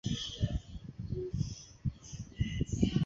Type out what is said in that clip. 松坞云庄建于清朝乾隆十年。